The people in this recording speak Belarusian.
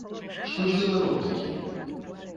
Што ж за народ такі?